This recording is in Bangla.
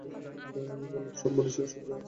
আমি বললাম, সব মানুষের সঙ্গেই আছে?